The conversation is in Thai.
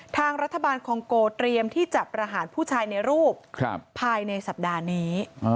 ทางรัฐบาลคองโกเตรียมที่จะประหารผู้ชายในรูปภายในสัปดาห์นี้